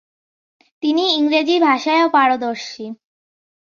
তিনি ইংরেজি ভাষায়ও পারদর্শী।